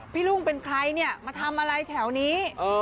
ลุงเป็นใครเนี่ยมาทำอะไรแถวนี้